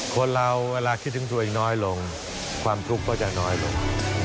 คนเราเวลาคิดถึงตัวเองน้อยลงความทุกข์ก็จะน้อยลง